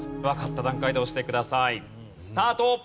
わかった段階で押してください。スタート。